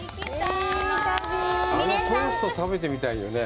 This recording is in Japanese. あのトースト、食べてみたいよね。